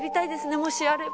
もしあれば。